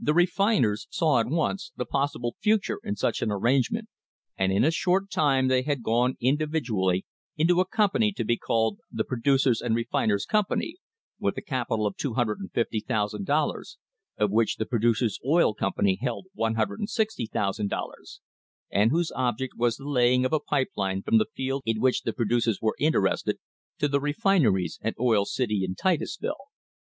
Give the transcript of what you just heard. The refiners saw at once the possible future in such an arrangement, and in a short time they had gone individually into a company to be called the Producers' and Refiners' Company, with a capital of $250,000, of which the Producers' Oil Company held $160,000, and whose ob ject was the laying of a pipe line from the fields in which the producers were interested to the refineries at Oil City and Titusville.